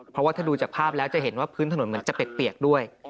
เพราะว่าถ้าดูจากภาพแล้วจะเห็นว่าพื้นถนนเหมือนจะเปียกด้วย